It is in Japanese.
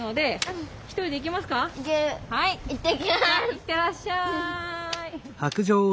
いってらっしゃい。